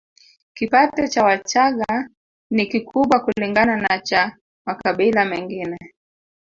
Kipato cha Wachagga ni kikubwa kulingana na cha makabila mengine